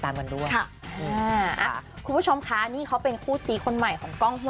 เต็มที่ครับ